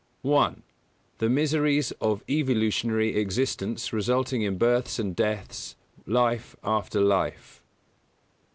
1. The miseries of evolutionary existence resulting in births and deaths, life after life.